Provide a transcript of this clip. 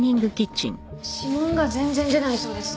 指紋が全然出ないそうです。